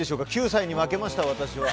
９歳に負けました、私は。